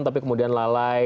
tapi kemudian lalai